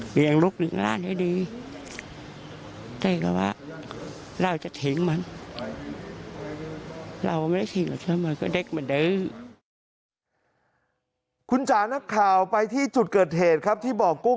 เหลี่ยงลูกลิ้งล่านให้ดี